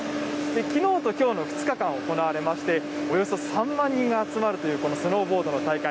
きのうときょうの２日間行われまして、およそ３万人が集まるというこのスノーボードの大会。